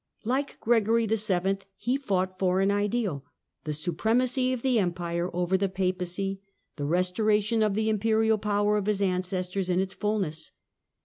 Like Gregory VII. he fought for an ideal, the supremacy of the Empire over the Papacy, the restoration of the imperial power of his ancestors in its fulness.